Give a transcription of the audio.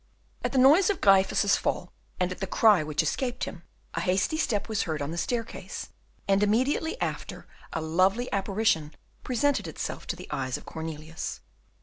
At the noise of Gryphus's fall, and at the cry which escaped him, a hasty step was heard on the staircase, and immediately after a lovely apparition presented itself to the eyes of Cornelius.